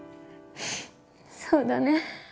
そうだね